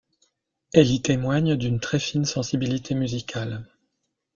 Elle y témoigne d'une très fine sensibilité musicale.